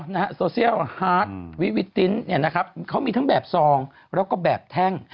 นี่นะครับซึ่งนะฮะนะฮะเขามีทั้งแบบซองแล้วก็แบบแท่ง